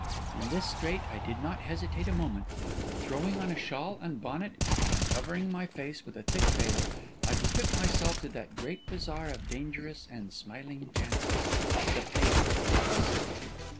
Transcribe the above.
In this strait I did not hesitate a moment, but throwing on a shawl and bonnet, and covering my face with a thick veil, I betook myself to that great bazaar of dangerous and smiling chances, the pavement of the city.